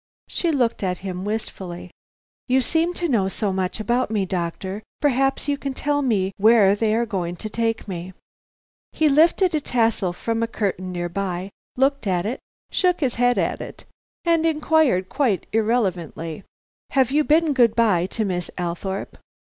She looked at him wistfully. "You seem to know so much about me, doctor, perhaps you can tell me where they are going to take me." He lifted a tassel from a curtain near by, looked at it, shook his head at it, and inquired quite irrelevantly: "Have you bidden good bye to Miss Althorpe?"